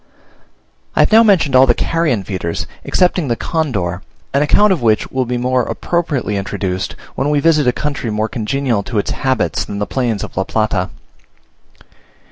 I have now mentioned all the carrion feeders, excepting the condor, an account of which will be more appropriately introduced when we visit a country more congenial to its habits than the plains of La Plata.